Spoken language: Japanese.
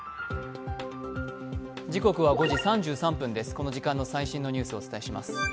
この時間の最新のニュースをお伝えします。